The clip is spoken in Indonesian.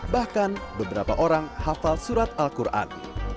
bahkan beberapa orang hafal surat al quran